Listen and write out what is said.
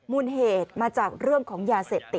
มูลเหตุมาจากเรื่องของยาเสพติด